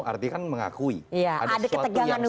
artinya kan mengakui ada sesuatu yang